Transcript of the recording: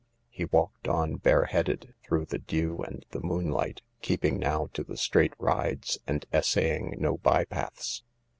He walked on, bareheaded, through the dew and the moonlight, keeping now to the straight rides and essaying no by paths.